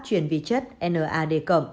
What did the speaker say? truyền vị chất nad